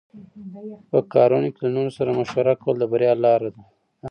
په کارونو کې له نورو سره مشوره کول د بریا لاره ده.